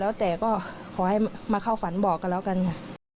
แล้วแต่ก็ขอให้มาเข้าฝันบอกกันแล้วกันค่ะ